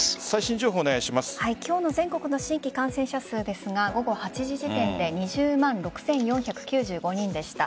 今日の全国の新規感染者数ですが午後８時時点で２０万６４９５人でした。